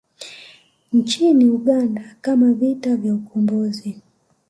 Nchini Uganda kama vita vya Ukombozi